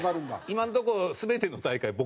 今のとこ。